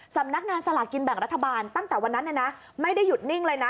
สำนักงานสลากินแบ่งรัฐบาลตั้งแต่วันนั้นไม่ได้หยุดนิ่งเลยนะ